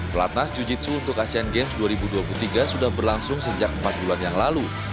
pelatnas jiu jitsu untuk asean games dua ribu dua puluh tiga sudah berlangsung sejak empat bulan yang lalu